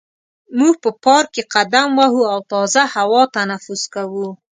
موږ په پارک کې قدم وهو او تازه هوا تنفس کوو.